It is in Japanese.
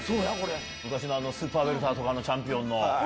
昔のスーパーウェルターとかのチャンピオンの。